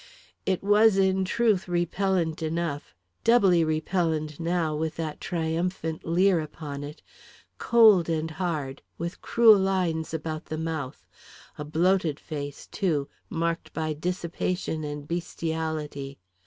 It was in truth, repellent enough doubly repellent now with that triumphant leer upon it cold and hard, with cruel lines about the mouth; a bloated face, too, marked by dissipation and bestiality.